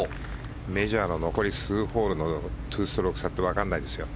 メジャーの残り数ホールの２ストローク差ってわからないですよ。